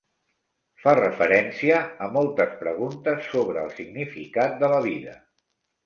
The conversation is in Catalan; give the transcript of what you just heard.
Fa referència a moltes preguntes sobre el significat de la vida.